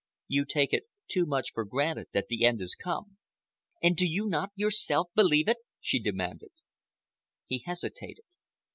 "You take it too much for granted that the end has come." "And do you not yourself believe it?" she demanded. He hesitated.